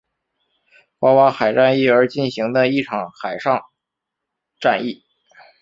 爪哇海战役而进行的一场海上战役。